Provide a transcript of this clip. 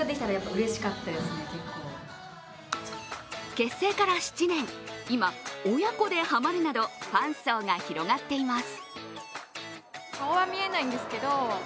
結成から７年、今親子でハマるなどファン層が広がっています。